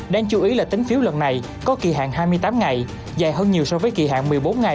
đáng chú ý là tính phiếu lần này có kỳ hạn hai mươi tám ngày dài hơn nhiều so với kỳ hạn một mươi bốn ngày